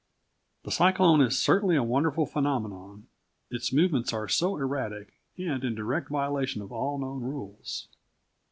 The cyclone is certainly a wonderful phenomenon, its movements are so erratic, and in direct violation of all known rules.